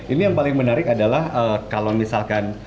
ini yang paling menarik adalah kalau misalkan